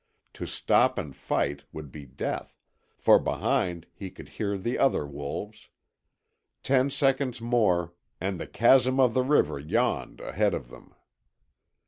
To stop and fight would be death, for behind he could hear the other wolves. Ten seconds more and the chasm of the river yawned ahead of them.